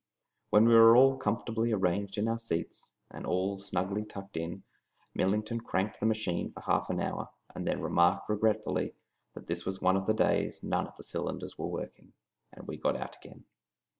When we were all comfortably arranged in our seats, and all snugly tucked in, Millington cranked the machine for half an hour, and then remarked regretfully that this was one of the days none of the cylinders was working, and we got out again.